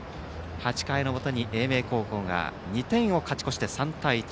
８回の表、英明高校が２点を勝ち越して、３対１。